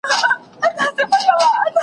او سړی پوه نه سي چي نقاش څه غوښتل